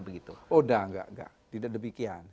tidak tidak tidak demikian